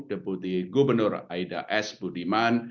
deputi gubernur aida s budiman